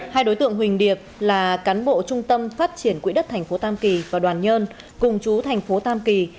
hai đối tượng huỳnh điệp là cán bộ trung tâm phát triển quỹ đất tp tam kỳ và đoàn nhân cùng chú tp tam kỳ